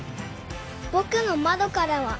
「ぼくの窓からは」